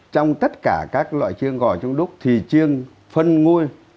trong tất cả các loại chiêng gò trong đúc thì chiêng phân nguôi